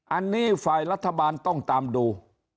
อันนี้ฝ่ายรัฐบาลต้องตามดู